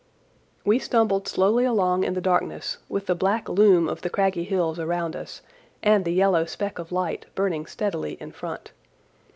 We stumbled slowly along in the darkness, with the black loom of the craggy hills around us, and the yellow speck of light burning steadily in front.